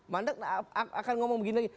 mandat akan ngomong begini lagi